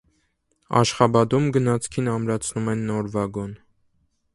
Աշխաբադում գնացքին ամրացնում են նոր վագոն։